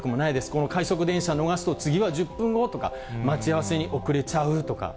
この快速電車を逃すと、次は１０分後とか、待ち合わせに遅れちゃうとか。